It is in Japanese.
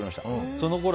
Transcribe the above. そのころ